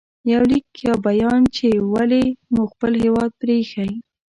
• یو لیک یا بیان چې ولې مو خپل هېواد پرې ایښی